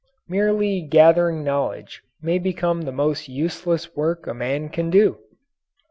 Merely gathering knowledge may become the most useless work a man can do.